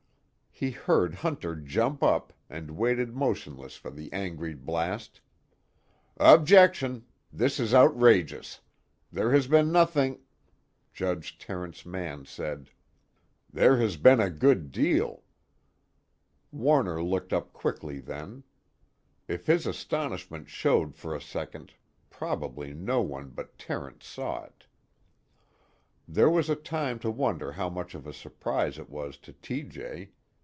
He heard Hunter jump up, and waited motionless for the angry blast: "Objection! This is outrageous. There has been nothing " Judge Terence Mann said: "There has been a good deal." Warner looked up quickly then; if his astonishment showed for a second, probably no one but Terence saw it. There was time to wonder how much of a surprise it was to T.J.